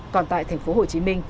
còn tại thành phố hồ chí minh